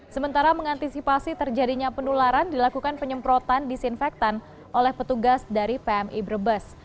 sementara mengantisipasi terjadinya penularan dilakukan penyemprotan disinfektan oleh petugas dari pmi brebes